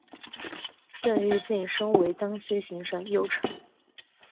邓愈晋升为江西行省右丞。